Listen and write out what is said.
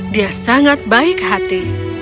dia sangat baik hati